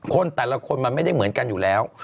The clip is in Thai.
แต่ละคนมันไม่ได้เหมือนกันอยู่แล้ว